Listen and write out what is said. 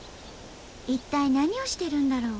一体何をしてるんだろう？